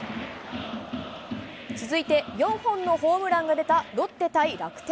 続いて４本のホームランが出たロッテ対楽天。